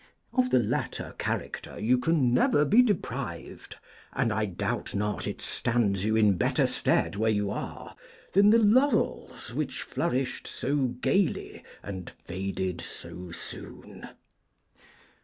Of the latter character you can never be deprived, and I doubt not it stands you in better stead where you are, than the laurels which flourished so gaily, and faded so soon.